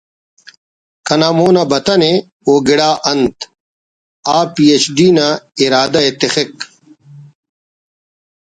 کنا مون آ بتنے او گڑا انت آ پی ایچ ڈی نا ارادہ ءِ تخک